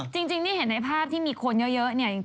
จริงที่เห็นในภาพที่มีคนเยอะเนี่ย